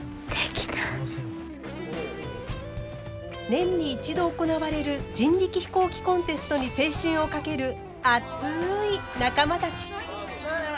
年に一度行われる人力飛行機コンテストに青春を懸ける熱い仲間たち。